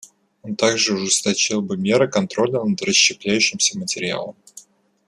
Он также ужесточил бы меры контроля над расщепляющимся материалом.